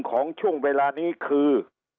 ของช่วงเวลานี้คือ